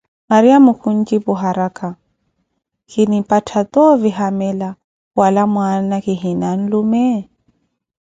Mariyamo ku jipu, araka: kinimpatha toovi hamila wala mwaana kihina nlume ?